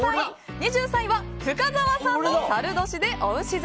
２３位は深澤さんの申年でおうし座。